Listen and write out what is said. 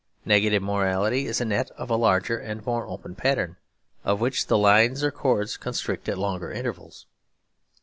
Negative morality is a net of a larger and more open pattern, of which the lines or cords constrict at longer intervals.